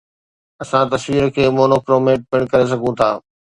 اسان تصوير کي مونوڪروميٽ پڻ ڪري سگهون ٿا